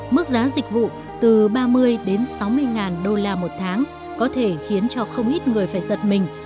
mức giá dịch vụ từ ba mươi đến sáu mươi ngàn đô la một tháng có thể khiến cho không ít người phải giật mình